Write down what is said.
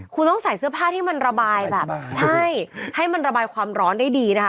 คุณต้องใส่เสื้อผ้าที่มันระบายแบบใช่ให้มันระบายความร้อนได้ดีนะคะ